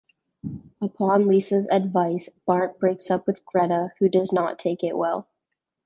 Upon Lisa's advice, Bart breaks up with Greta, who does not take it well.